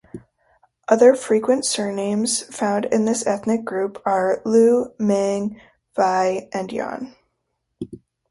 Other frequent surnames found in this ethnic group are: Lu, Meng, Wei and Yan.